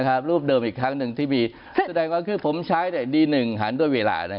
นะครับรูปเดิมอีกครั้งหนึ่งที่มีแสดงว่าคือผมใช้ได้ดีหนึ่งหารด้วยเวลานะฮะ